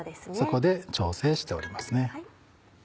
そこで調整しておりますね。